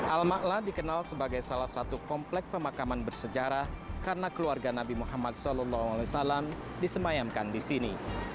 al ⁇ mala ⁇ dikenal sebagai salah satu komplek pemakaman bersejarah karena keluarga nabi muhammad saw disemayamkan di sini